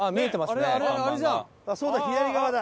そうだ左側だ。